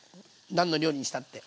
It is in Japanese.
何の料理にしたって。